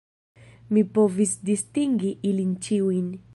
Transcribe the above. Mi povis distingi ilin ĉiujn.